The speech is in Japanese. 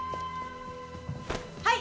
はい！